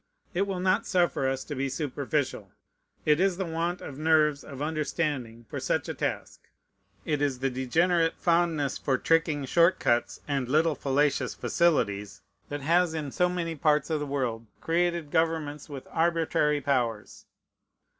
It will not suffer us to be superficial. It is the want of nerves of understanding for such a task, it is the degenerate fondness for tricking short outs and little fallacious facilities, that has in so many parts of the world created governments with arbitrary powers.